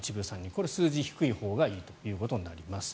これ、数字が低いほうがいいということになっています。